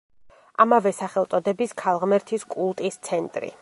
ამავე სახელწოდების ქალღმერთის კულტის ცენტრი.